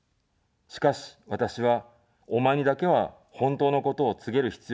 しかし、私は、お前にだけは本当のことを告げる必要があった。